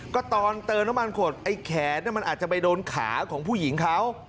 ก็ตอนเติมน้ำมันขวดไอ้แขนมันอาจจะไปโดนขาของผู้หญิงเขา